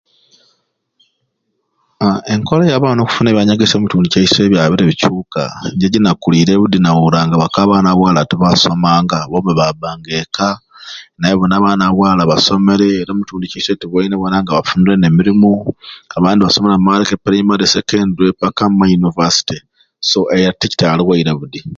Aaa enkola ya baana okufuna ebyanyegesya omu kitundu kyaiswe byabire bikyuka nye wenakulire budi bakobanga abaana ba bwala tebasomanga abo mbe babanga ekka naye buni abaana ba bwala basomere era omu kitundu kyaiswe tuboine nga bfunire ne mirimu abandi basomere bamareku e primarily secondary mpaka omu ma university so ekyo ekitaliwo budi